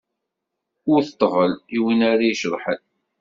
Wwet ṭṭbel, i win ara iceḍḥen!